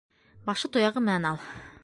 Башы-тояғы менән ал.